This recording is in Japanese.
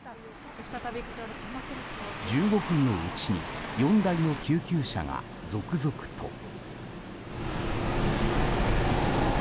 １５分のうちに４台の救急車が続々と。